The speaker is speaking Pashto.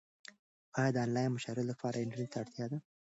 ایا د انلاین مشاعرو لپاره انټرنیټ ته اړتیا ده؟